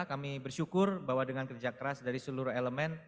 kami bersyukur bahwa dengan kerja keras dari seluruh elemen